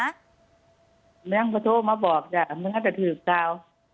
ไม่มีตำรวจโทรมาบอกมันน่าจะถือเจ้า